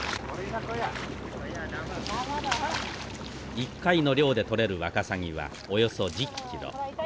一回の漁で取れるワカサギはおよそ１０キロ。